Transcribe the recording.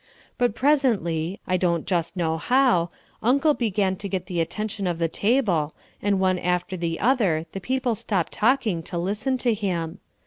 But presently, I don't just know how, Uncle began to get the attention of the table and one after the other the people stopped talking to listen to him.